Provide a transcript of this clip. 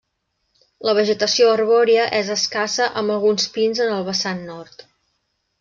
La vegetació arbòria és escassa amb alguns pins en el vessant nord.